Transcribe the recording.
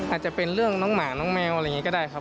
อาจจะเป็นเรื่องน้องหมาน้องแมวอะไรอย่างนี้ก็ได้ครับ